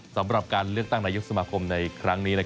สำหรับการเลือกตั้งนายกสมาคมในครั้งนี้